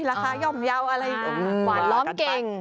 ย่อมเยาว์อะไรหวานล้อมเก่ง